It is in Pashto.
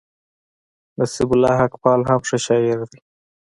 نصيب الله حقپال هم ښه شاعر دئ.